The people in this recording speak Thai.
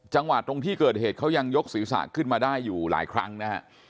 จังหวัดตรงที่เกิดเหตุเขายังยกศีรษะขึ้นมาได้อยู่หลายครั้งนะฮะ